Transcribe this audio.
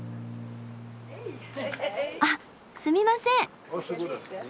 あっすみません！